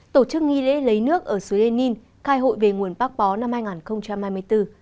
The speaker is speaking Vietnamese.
tổ chức nghi lễ lấy nước ở suối lenin khai hội về nguồn bác bó năm hai nghìn hai mươi bốn